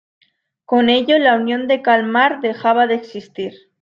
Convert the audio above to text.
Con ello, la Unión de Kalmar dejaba de existir.